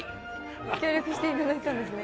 協力していただいたんですね。